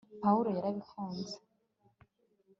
pawulo yarabikunze